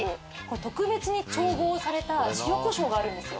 特別に調合された塩コショウがあるんですよ。